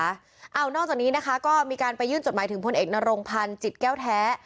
อ้าวนอกจากนี้ก็มีการไปยื่นจดหมายถึงพเนารงพันธุ์จิตแก้วแท้